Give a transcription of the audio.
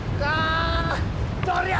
どりゃ！